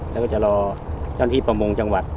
แล้วก็จะรอที่ประมงจังหวัด